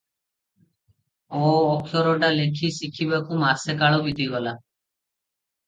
ଅ ଅକ୍ଷରଟା ଲେଖି ଶିଖିବାକୁ ମାସେ କାଳ ବିତିଗଲା ।